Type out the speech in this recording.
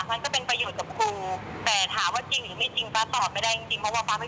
มันก็เป็นประโยชน์กับครูแต่ถามว่าจริงหรือไม่จริงป๊าตอบไม่ได้จริงจริงเพราะว่าฟ้าไม่